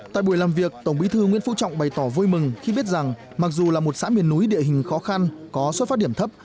tại buổi làm việc tổng bí thư nguyễn phú trọng bày tỏ vui mừng khi biết rằng mặc dù là một xã miền núi địa hình khó khăn có xuất phát điểm thấp